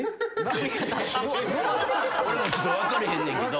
俺もちょっと分かれへんねんけど。